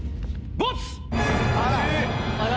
ボツ。